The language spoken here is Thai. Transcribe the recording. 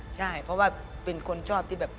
ใช่เพราะว่าเป็นคนชอบที่แบบ